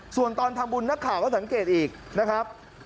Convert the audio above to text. ส่วนตอนทำบุญนักข่าวก็สังเกตอีกนะครับ